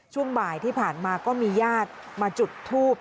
ช่วงบ่ายที่ผ่านมาก็มีญาติมาจุดทูบ